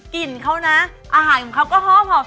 กลิ่นเขานะอาหารของเขาก็หอม